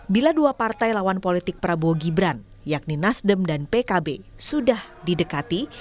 bila dua partai lawan politik prabowo gibran yakni nasdem dan pkb sudah didekati